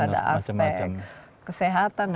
ada aspek kesehatan